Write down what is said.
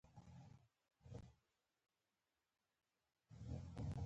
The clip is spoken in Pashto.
دماغ په خوب فعال وي.